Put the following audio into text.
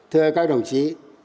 thưa các đồng chí